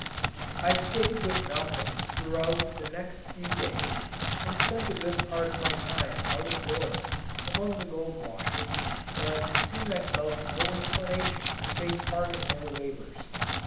I stayed with Malcolm throughout the next few days, and spent a good part of my time out of doors among the gold washers, but still I felt no inclination to take part in their labours.